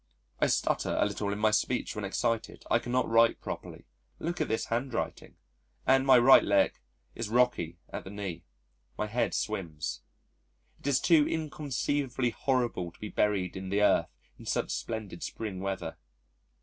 I stutter a little in my speech when excited, I cannot write properly (look at this handwriting), and my right leg is rocky at the knee. My head swims. It is too inconceivably horrible to be buried in the Earth in such splendid spring weather.